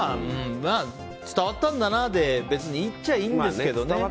伝わったんだなで別にいいっちゃいいんですけどね。